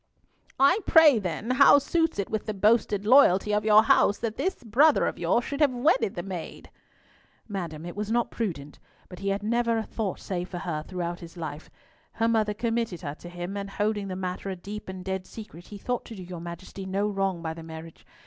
"I pray, then, how suits it with the boasted loyalty of your house that this brother of yours should have wedded the maid?" "Madam; it was not prudent, but he had never a thought save for her throughout his life. Her mother committed her to him, and holding the matter a deep and dead secret, he thought to do your Majesty no wrong by the marriage.